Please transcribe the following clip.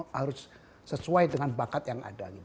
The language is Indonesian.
harus sesuai dengan bakat yang ada